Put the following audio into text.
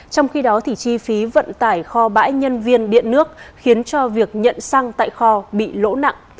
trong khi đó chi phí vận tải kho bãi nhân viên điện nước khiến cho việc nhận xăng tại kho bị lỗ nặng